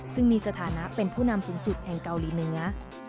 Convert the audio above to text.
ซึ่งมีสถานะเป็นผู้นำสูงสุดแห่งเกาหลีเหนือ